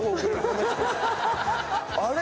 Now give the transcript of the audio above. あれ？